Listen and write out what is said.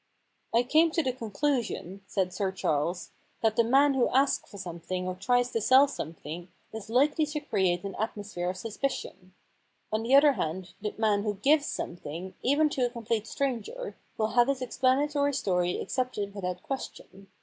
* I came to the conclusion/ said Sir Charles, * that the man who asks for something or tries to sell something is likely to create an atmosphere of suspicion. On the other hand the man who gives something, even to a com plete stranger, will have his explanatory story accepted without question.